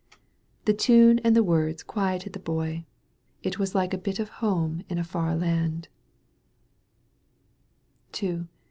The tune and the words quieted the Boy. It was like a bit of home in a far land.